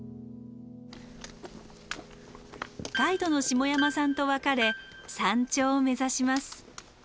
ガイドの下山さんと別れ山頂を目指します。